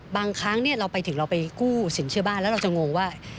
บางครั้งเราไปถึงเราไปกู้สินเชื่อบ้านแล้วเราจะงงว่า